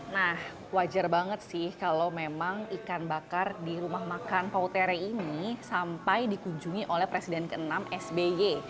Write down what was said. nah wajar banget sih kalau memang ikan bakar di rumah makan pautere ini sampai dikunjungi oleh presiden ke enam sby